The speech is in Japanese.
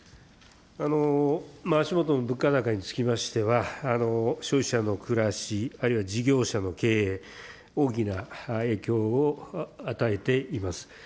足下の物価高につきましては、消費者の暮らし、あるいは事業者の経営、大きな影響を与えています。